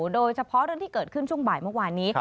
โดยเฉพาะเรื่องที่เกิดขึ้นช่วงบ่ายเมื่อวานนี้